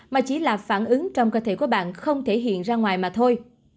mà chỉ là phản ứng trong cơ thể của bạn không thể hiện ra ngoài mà thôi